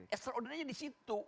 extraordinarinya di situ